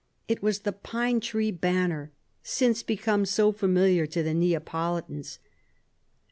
It was the "pine tree banner," since become so familiar to the Neapolitans.